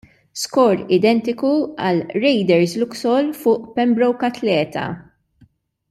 Skor identiku għal Raiders Luxol fuq Pembroke Athleta.